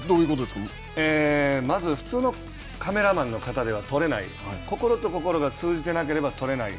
まず普通のカメラマンの方では撮れない心と心が通じてなければ撮れない。